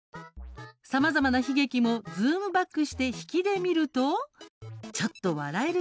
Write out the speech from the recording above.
さまざまな悲劇もズームバックしてヒキで見るとちょっと笑える